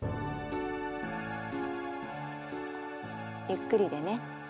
ゆっくりでね。